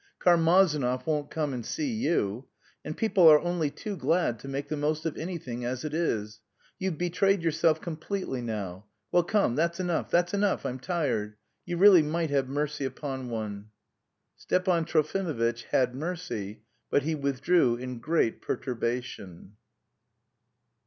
Karmazinov won't come and see you! And people are only too glad to make the most of anything as it is.... You've betrayed yourself completely now. Well, come, that's enough, that's enough, I'm tired. You really might have mercy upon one!" Stepan Trofimovitch "had mercy," but he withdrew in great perturbation.